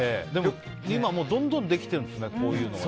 今、どんどんできてるんですね